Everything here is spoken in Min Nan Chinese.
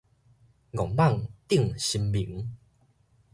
戇蠓叮神明